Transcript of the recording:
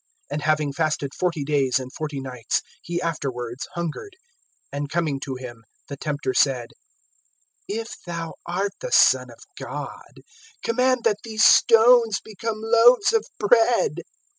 (2)And having fasted forty days and forty nights, he afterwards hungered. (3)And coming to him, the tempter said: If thou art the Son of God, command that these stones become loaves of bread.